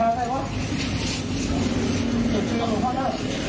เขาจะขายอะไรวะ